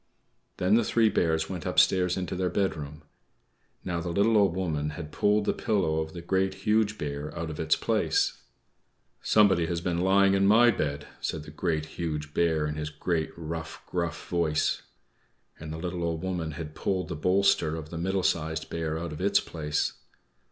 Then the three Bears went upstairs into their bedroom. Now, the little Old Woman had pulled the pillow of the Great, Huge Bear out of its place. "=Somebody has been lying in my bed!=" said the Great, Huge Bear, in his great, rough, gruff voice. And the little Old Woman had pulled the bolster of the Middle Sized Bear out of its place.